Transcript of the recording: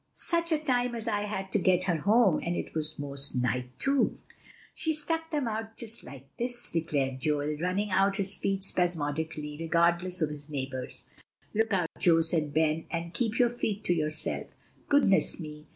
such a time as I had to get her home, and it was most night too." "She stuck them out just like this," declared Joel, running out his feet spasmodically, regardless of his neighbors. "Look out, Joe," said Ben, "and keep your feet to yourself. Goodness me!